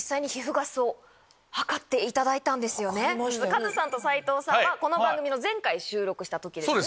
カズさんと斉藤さんはこの番組の前回収録した時ですね。